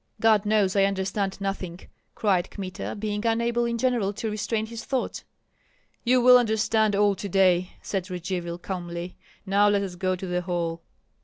"God knows I understand nothing!" cried Kmita, being unable in general to restrain his thoughts. "You will understand all to day," said Radzivill, calmly. "Now let us go to the hall."